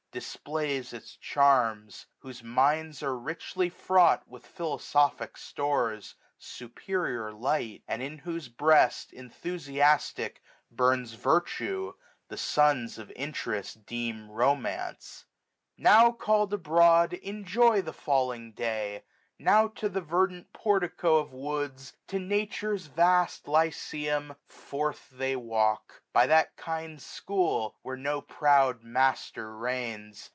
Displays its charms ; whose minds are richly fraught With philosophic stores, superior light ; And in whose breast, enthusiastic, burns Virtue, the sons of interest deem romance ; 13^0 Now call'd abroad enjoy the felling day : Now to the verdant Portico of woods. 102 SUMMER. To Nature's vast Lyceum, forth they walk ; By that kind School where no proud master reigns.